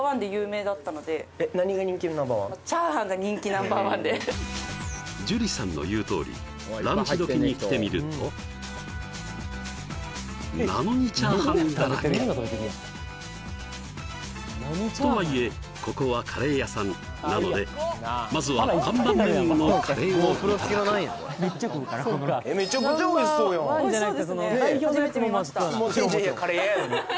結構前ですねへえあっはい樹里さんの言うとおりランチ時に来てみるとなのにチャーハンだらけとはいえここはカレー屋さんなのでまずは看板メニューのカレーをいただくめちゃくちゃおいしそうやんおいしそうですね